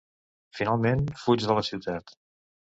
Finalment, fuig de la ciutat.